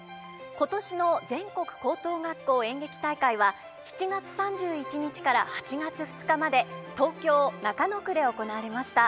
今年の全国高等学校演劇大会は７月３１日から８月２日まで東京・中野区で行われました。